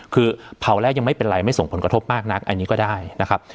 คือเผาแรกยังไม่เป็นไรไม่ส่งผลกระทบมากนักอันนี้ก็ได้นะครับ